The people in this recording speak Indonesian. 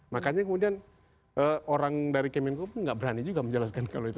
makanya kemudian orang dari kemenko pun nggak berani juga menjelaskan kalau itu